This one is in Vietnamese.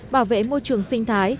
bảo vệ môi trường sinh thái